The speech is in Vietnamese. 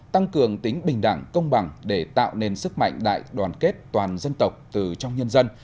tăng cường tính bình đẳng công bằng để tạo nên sức mạnh đại đoàn kết toàn dân tộc từ trong nhân dân